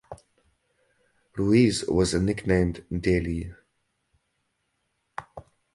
Ruiz was nicknamed Deli.